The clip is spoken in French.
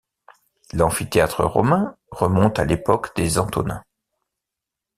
L’amphithéâtre romain remonte à l’époque des Antonins.